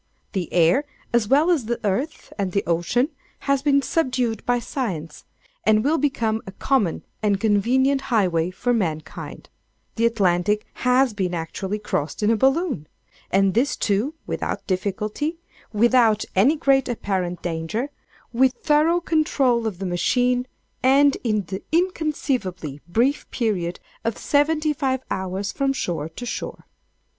The air, as well as the earth and the ocean, has been subdued by science, and will become a common and convenient highway for mankind. The Atlantic has been actually crossed in a Balloon! and this too without difficulty—without any great apparent danger—with thorough control of the machine—and in the inconceivably brief period of seventy five hours from shore to shore!